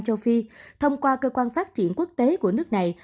châu phi thông qua cơ quan phát triển quốc tế của nước này